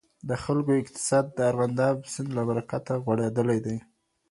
د خلکو اقتصاد د ارغنداب سيند د برکته غوړېدلی دی.